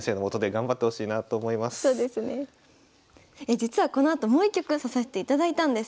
実はこのあともう一局指させていただいたんです。